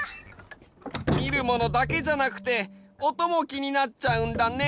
みるものだけじゃなくておともきになっちゃうんだね。